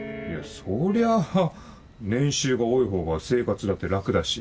そりゃあ年収が多いほうが生活だって楽だし。